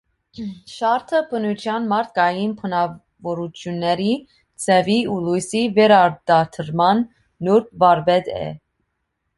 Շարթը բնության մարդկային բնավորությունների, ձևի ու լույսի վերարտադրման նուրբ վարպետ է։